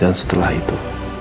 dan setelah itu